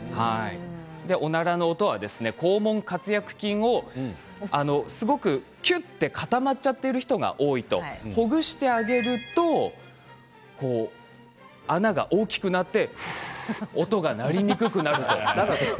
おならは肛門括約筋がすごくきゅっと固まっている人が多いということでほぐしてあげると穴が大きくなって音が鳴りにくくなると。